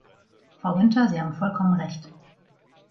Frau Günther, Sie haben vollkommen recht!